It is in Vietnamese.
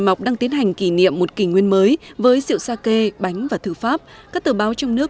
mọc đang tiến hành kỷ niệm một kỷ nguyên mới với rượu sake bánh và thư pháp các tờ báo trong nước